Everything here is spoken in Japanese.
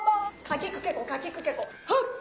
「かきくけこかきくけこ」。